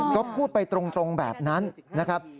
ก็พูดไปตรงแบบนั้นนะครับ